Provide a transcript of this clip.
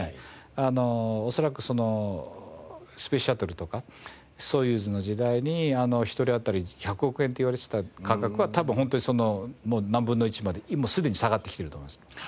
恐らくスペースシャトルとかソユーズの時代に１人当たり１００億円っていわれてた価格は多分ホントにその何分の１までもうすでに下がってきてると思います。